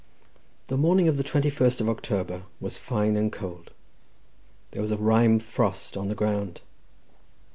The morning of the 21st of October was fine and cold; there was a rime frost on the ground.